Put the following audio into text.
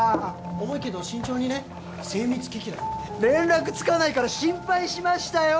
重いけど慎重にね精密機器だからね連絡つかないから心配しましたよ！